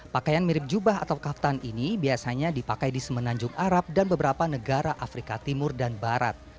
pakaian mirip jubah atau kaftan ini biasanya dipakai di semenanjung arab dan beberapa negara afrika timur dan barat